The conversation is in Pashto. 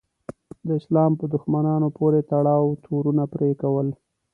د اسلام په دښمنانو پورې تړاو تورونه پورې کول.